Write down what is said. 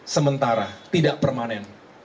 sementara tidak permanen